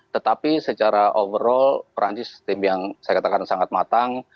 tetapi secara overall perancis tim yang saya katakan sangat matang